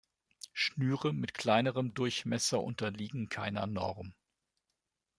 Schnüre mit kleinerem Durchmesser unterliegen keiner Norm.